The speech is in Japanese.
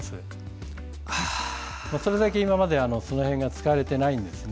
それだけ今までそこら辺が使われてないんですね。